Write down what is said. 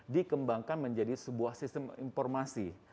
dikembangkan menjadi sebuah sistem informasi